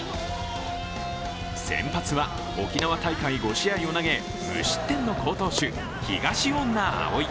先発は沖縄大会５試合を投げ無失点の好投手、東恩納蒼。